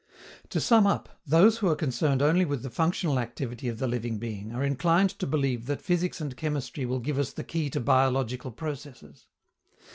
" To sum up, those who are concerned only with the functional activity of the living being are inclined to believe that physics and chemistry will give us the key to biological processes.